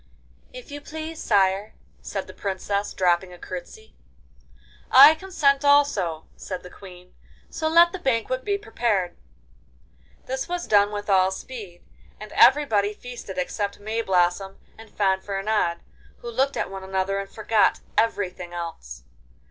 'If you please, sire,' said the Princess, dropping a curtsey. 'I consent also,' said the Queen; 'so let the banquet be prepared.' This was done with all speed, and everybody feasted except Mayblossom and Fanfaronade, who looked at one another and forgot everything else.